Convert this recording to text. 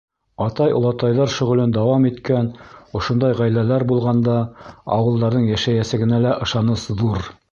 Атай-олатайҙар шөғөлөн дауам иткән ошондай ғаиләләр булғанда, ауылдарҙың йәшәйәсәгенә лә ышаныс ҙур.